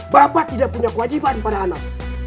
bapak tidak punya kewajiban pada anak